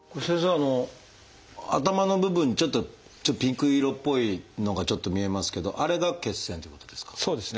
あの頭の部分にちょっとピンク色っぽいのがちょっと見えますけどあれが血栓ってことですか？